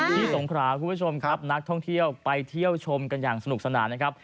สงขราคุณผู้ชมครับนักท่องเที่ยวไปเที่ยวชมกันอย่างสนุกสนานนะครับ